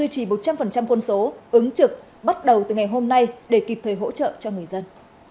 chỉ một trăm linh quân số ứng trực bắt đầu từ ngày hôm nay để kịp thời hỗ trợ cho người dân